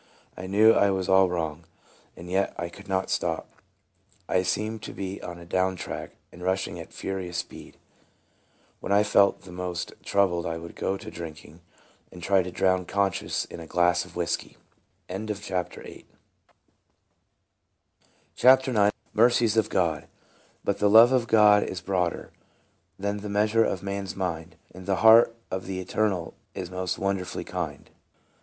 I knew I was all wrong, and yet I could not stop. I seemed to be on a down track, and rushing at furious speed. When I felt the most troubled I would go to drinking, and try to drown conscience in a glass of whiskey. 40 TRANSFORMED. CHAPTER IX. MERCIES OF GOD. " But the love of God is hroader Than the measure of man's mind; And the heart of the Eternal Is most wonderfully kind."